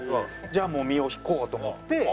じゃあもう身を引こうと思って。